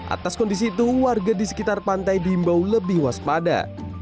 atas kondisi itu warga di sekitar pantai diimbau lebih waspada